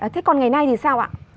thì sao ạ